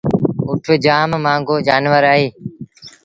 اُٺ جآم مآݩگو جآنور اهي